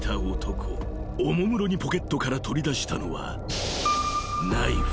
［おもむろにポケットから取り出したのは］